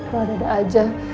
tuh ada ada aja